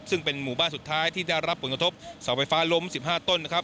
ซึ่งเป็นหมู่บ้านสุดท้ายที่ได้รับผลกระทบเสาไฟฟ้าล้ม๑๕ต้นนะครับ